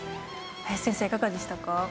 林先生いかがでしたか？